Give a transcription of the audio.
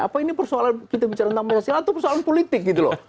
apa ini persoalan kita bicara tentang pancasila atau persoalan politik gitu loh